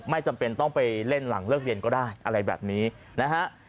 จำเป็นต้องไปเล่นหลังเลิกเรียนก็ได้อะไรแบบนี้นะฮะ